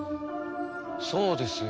そうですよ。